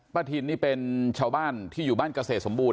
ทินนี่เป็นชาวบ้านที่อยู่บ้านเกษตรสมบูรณ